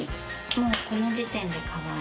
もうこの時点で可愛い。